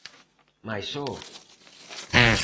Mais oh!